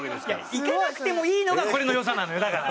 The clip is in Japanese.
行かなくてもいいのがこれの良さなのよだから。